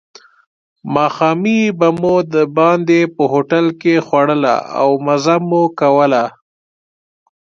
ماښامنۍ به مو دباندې په هوټل کې خوړله او مزه مو کوله.